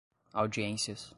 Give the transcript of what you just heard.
audiências